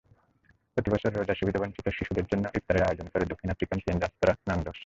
প্রতিবছর রোজায় সুবিধা-বঞ্চিত শিশুদের জন্য ইফতারের আয়োজন করে দক্ষিণ আফ্রিকান চেইন রেস্তোরাঁ নান্দোস।